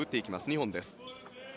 ２本です。